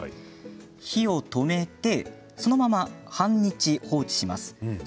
火を止めてそのまま半日放置します。